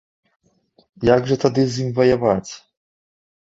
Як жа тады з ім ваяваць?